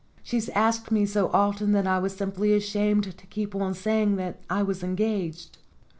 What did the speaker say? She's asked me so often that I was simply ashamed to keep on saying that I was engaged."